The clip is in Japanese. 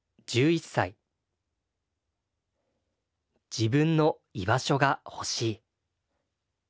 「自分の居場所がほしい。